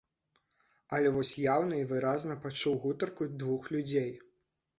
Але вось яўна і выразна пачуў гутарку двух людзей.